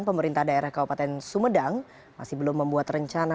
pemerintah daerah kabupaten sumedang masih belum membuat rencana